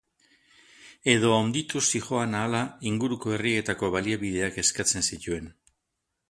Edo handituz zihoan ahala inguruko herrietako baliabideak eskatzen zituen.